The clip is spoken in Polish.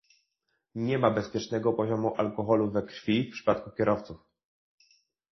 Nie ma bezpiecznego poziomu alkoholu we krwi w przypadku kierowców